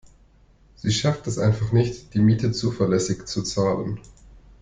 Sie schafft es einfach nicht, die Miete zuverlässig zu zahlen.